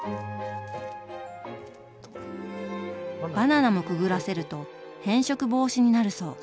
バナナもくぐらせると変色防止になるそう。